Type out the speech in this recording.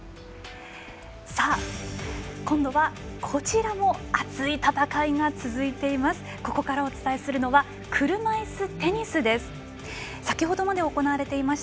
今度は、こちらも熱い戦いが続いています。